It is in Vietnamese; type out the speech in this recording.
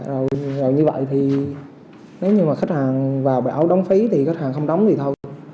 rồi như vậy thì nếu như mà khách hàng vào bài áo đóng phí thì khách hàng không đóng thì thôi